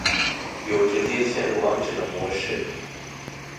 有直接嵌入網址的模式